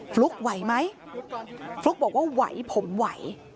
ฟลุ๊กไหวไหมฟลุ๊กบอกว่าไหวผมไหว